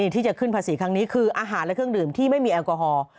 ที่จะขึ้นภาษีครั้งนี้คืออาหารและเครื่องดื่มที่ไม่มีแอลกอฮอล์